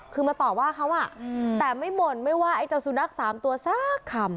คือมาต่อว่าเขาแต่ไม่บ่นไม่ว่าไอ้เจ้าสุนัข๓ตัวสักคำ